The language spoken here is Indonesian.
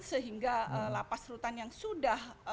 sehingga lapas rutan yang sudah